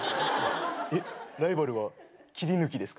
えっライバルはきりぬきですか？